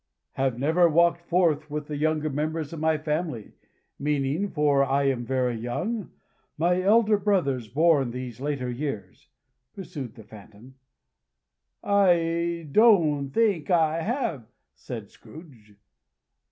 "Have never walked forth with the younger members of my family; meaning (for I am very young) my elder brothers born in these later years?" pursued the Phantom. "I don't think I have," said Scrooge.